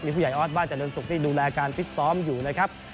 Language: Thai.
ผู้ใหญ่ออสบ้านเจริญศุกร์นี่ดูแลการฟิตซ้อมอยู่นะครับ